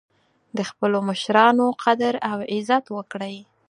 د خپلو مشرانو قدر او عزت وکړئ